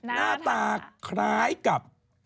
หน้าตาคล้ายกับ